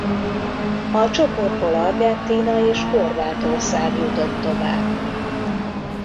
A csoportból Argentína és Horvátország jutott tovább.